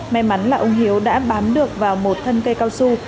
may mắn là ông hiếu đã bám được vào một thân cây cao su